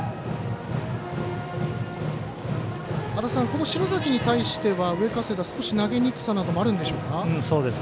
この篠崎に対しては上加世田、少し投げにくさなどもあるんでしょうか？